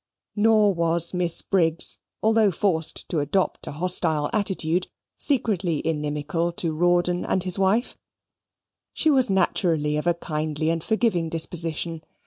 Nor was Miss Briggs, although forced to adopt a hostile attitude, secretly inimical to Rawdon and his wife. She was naturally of a kindly and forgiving disposition.